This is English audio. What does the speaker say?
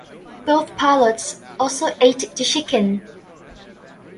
Both pilots also ate the chicken.